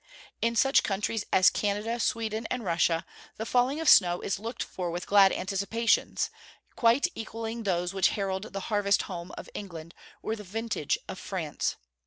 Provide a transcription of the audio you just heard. In such countries as Canada, Sweden, and Russia, the falling of snow is looked for with glad anticipations, quite equalling those which herald the "harvest home" of England, or the "vintage" of France.